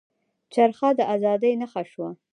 چرخه د ازادۍ نښه شوه.